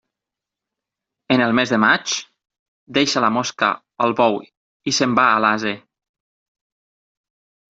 En el mes de maig, deixa la mosca el bou i se'n va a l'ase.